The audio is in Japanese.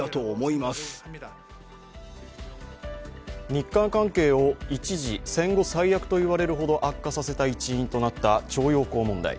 日韓関係を一時、戦後最悪と言われるほど悪化させた一因となった徴用工問題。